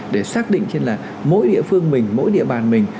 để xác định trên là mỗi địa phương mình mỗi địa bàn mình